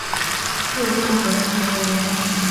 这三个国家分别为阿根廷。